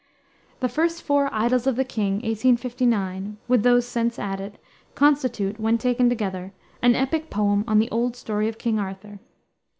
The first four Idylls of the King, 1859, with those since added, constitute, when taken together, an epic poem on the old story of King Arthur.